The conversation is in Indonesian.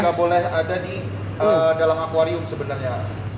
nggak boleh ada di dalam akwarium sebenarnya